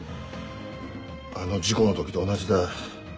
あの事故の時と同じだ。